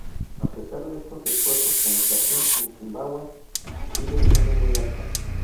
A pesar de estos esfuerzos, la inflación en Zimbabwe sigue siendo muy alta.